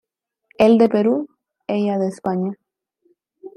Él de Perú, ella de España.